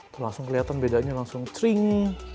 tuh langsung kelihatan bedanya langsung cring